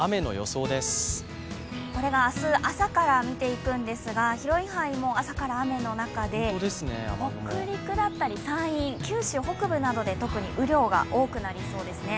これが明日朝から見ていくんですが広い範囲、朝から雨の中で、北陸だったり山陰、九州北部などで特に雨量が多くなりそうですね。